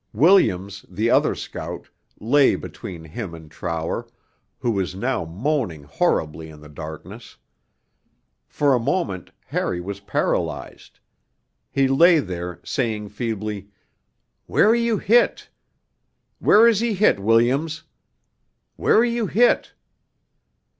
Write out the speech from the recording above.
Williams, the other scout, lay between him and Trower, who was now moaning horribly in the darkness. For a moment Harry was paralysed; he lay there, saying feebly, 'Where are you hit? Where is he hit, Williams? Where are you hit?'